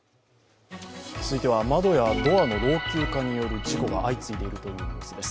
続いては、窓やドアの老朽化による事故が相次いでいるというニュースです。